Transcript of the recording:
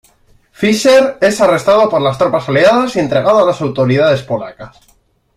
Fischer es arrestado por las tropas aliadas y entregado a las autoridades polacas.